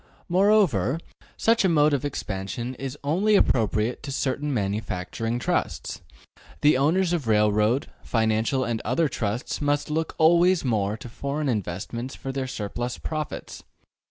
Moreover, such a mode of expansion is only appropriate to certain manufacturing trusts: the owners of railroad, financial and other trusts must look always more to foreign investments for their surplus profits.